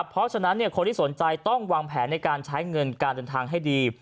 เพราะฉะนั้นคนที่สนใจต้องวางแผนในการใช้เงินการเดินทางให้ดี